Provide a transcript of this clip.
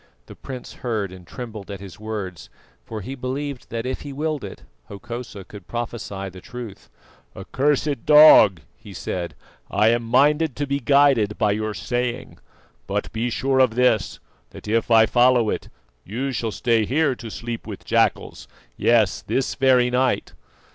The prince heard and trembled at his words, for he believed that if he willed it, Hokosa could prophesy the truth. "Accursed dog!" he said. "I am minded to be guided by your saying; but be sure of this, that if I follow it, you shall stay here to sleep with jackals, yes, this very night."